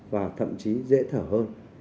và thậm chí dễ thở hơn